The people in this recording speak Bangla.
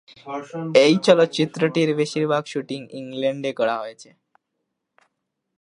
এই চলচ্চিত্রটির বেশিরভাগ শুটিং ইংল্যান্ডে করা হয়েছে।